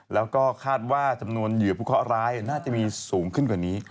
แล้วก็คาดว่าจำนวนเหยื่อผู้เคาะร้ายน่าจะมีสูงขึ้นกว่านี้